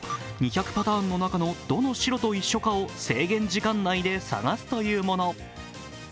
２００パターンのどの白と一緒かを制限時間内で探すというもの。